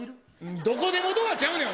どこでもドアちゃうねん。